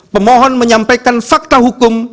pemohon menyampaikan fakta hukum